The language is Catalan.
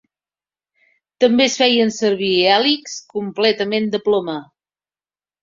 També es feien servir hèlixs completament de ploma.